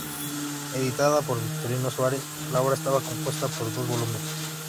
Editada por Victorino Suárez, la obra estaba compuesta por dos volúmenes.